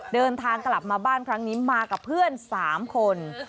เดินทางกลับมาบ้านครั้งนี้มากับเพื่อน๓คน